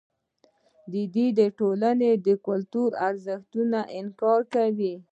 دوی د ټولنې له کلتوري ارزښتونو انکار کاوه.